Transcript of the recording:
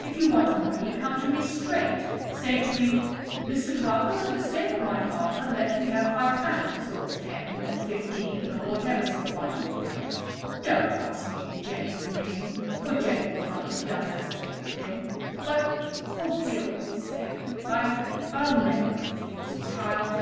If you want money come to me straight. Say to me, 'Mr. Parker, for the sake of my father, let me have five pounds,' or ten, or fifteen, or whatever supply you want. Don't ask me in Jenny's name, for Jenny would not have done that sort of thing; but, for Gilroy's sake, I—I'll never refuse you, child.